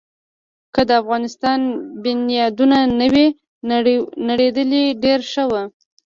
که د افغانستان بنیادونه نه وی نړېدلي، ډېر ښه وو.